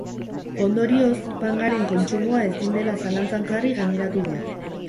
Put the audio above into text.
Ondorioz, pangaren kontsumoa ezin dela zalantzan jarri gaineratu du.